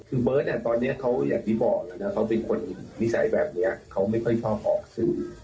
คือเบิร์ตตอนนี้เขาอย่างที่บอกนะเขาเป็นคนนิสัยแบบนี้เขาไม่ค่อยชอบออกสื่อ